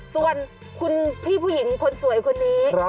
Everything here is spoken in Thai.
ส่วนคุณพี่ผู้หญิงคนสวยคนนี้